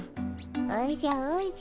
おじゃおじゃ。